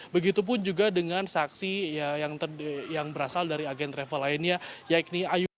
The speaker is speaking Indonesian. begitu pun juga dengan saksi yang berasal dari agen travel lainnya yakni ayut